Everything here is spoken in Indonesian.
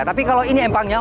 tapi kalau ini empangnya